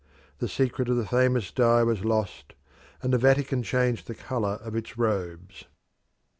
The secret of the famous dye was lost, and the Vatican changed the colour of its robes.